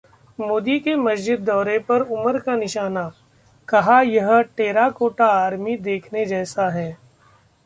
मोदी के मस्जिद दौरे पर उमर का निशाना, कहा- यह 'टेराकोटा आर्मी' देखने जैसा